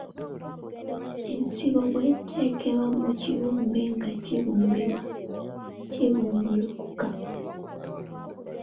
Ensibo bwe tateekebwa mu kibumbe nga kibumbibwa kibumbulukuka.